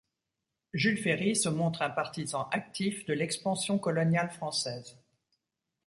Jules Ferry se montre un partisan actif de l'expansion coloniale française.